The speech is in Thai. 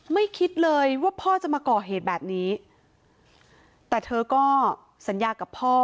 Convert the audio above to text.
คิดเลยว่าพ่อจะมาก่อเหตุแบบนี้แต่เธอก็สัญญากับพ่อ